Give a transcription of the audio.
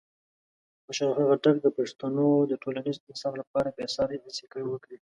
خوشحال خان خټک د پښتنو د ټولنیز انصاف لپاره بېساري هڅې وکړې.